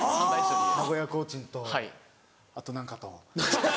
名古屋コーチンとあと何かと。